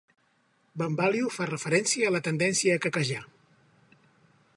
"Bambalio" fa referència a la tendència a quequejar.